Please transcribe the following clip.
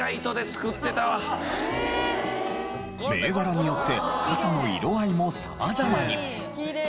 銘柄によって傘の色合いも様々に。